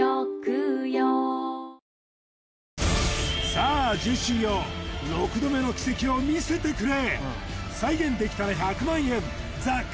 さあジェシーよ６度目の奇跡を見せてくれ！